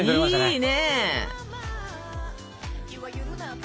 いいね！